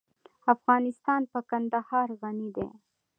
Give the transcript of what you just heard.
افغانستان په کندهار غني دی.